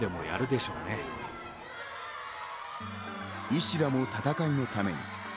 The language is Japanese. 医師ら戦いのために。